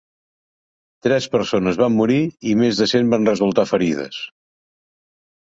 Tres persones van morir i més de cent van resultar ferides.